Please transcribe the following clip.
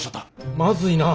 まずいなあ。